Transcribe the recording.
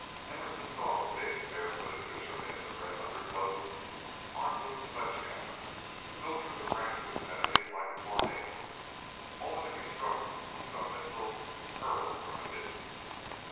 Emerson saw the big, barefooted fisherman in the red underclothes, armed with a sledge hammer, go through the ranks of his enemies like a tornado, only to be struck by some missile hurled from a distance.